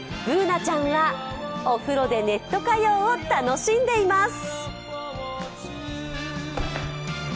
Ｂｏｏｎａちゃんがおふろでネット歌謡を楽しんでいます。